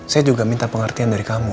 saya juga minta pengertian dari kamu